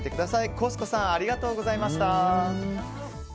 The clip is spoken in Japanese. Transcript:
コス子さんありがとうございました。